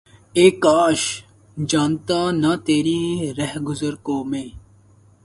اے کاش! جانتا نہ تیری رہگزر کو میں!